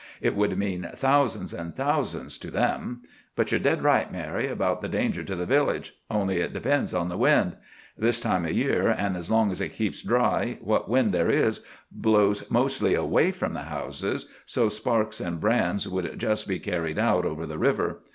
It would mean thousands and thousands to them. But you're dead right, Mary, about the danger to the village. Only it depends on the wind. This time o' year, an' as long as it keeps dry, what wind there is blows mostly away from the houses, so sparks and brands would just be carried out over the river.